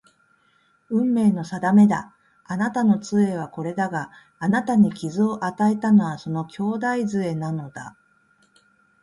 運命の定めだ。あなたの杖はこれだが、あなたに傷を与えたのはその兄弟杖なのだ